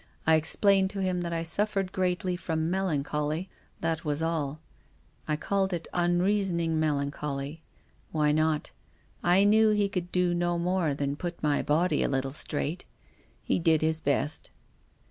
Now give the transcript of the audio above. I ex plained to him that I suffered greatly from melan choly. That was all, I called it unreasoning mel ancholy. Why not ? I knew he could do no more than put my body a little straight. He did his best."